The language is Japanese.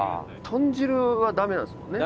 豚汁はダメなんですもんね？